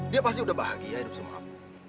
dia pasti udah bahagia hidup sama kamu